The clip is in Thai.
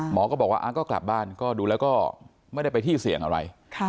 หมอก็บอกว่าก็กลับบ้านก็ดูแล้วก็ไม่ได้ไปที่เสี่ยงอะไร